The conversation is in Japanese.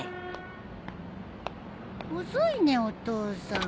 遅いねお父さん。